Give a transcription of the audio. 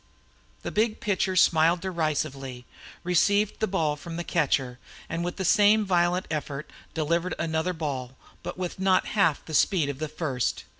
The big pitcher smiled derisively, received the ball from the catcher, and with the same violent effort delivered another ball, but with not half the speed of the first.